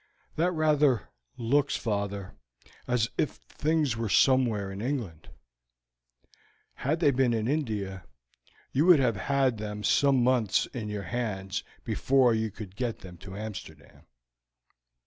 "That rather looks, father, as if the things were somewhere in England; had they been in India, you would have had them some months in your hands before you could get them to Amsterdam."